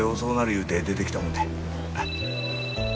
言うて出てきたもんで